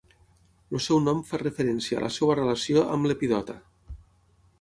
El seu nom fa referència a la seva relació amb l'epidota.